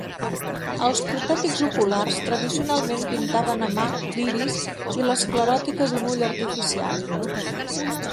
Els protètics oculars tradicionalment pintaven a mà l'iris i l'escleròtica d'un ull artificial.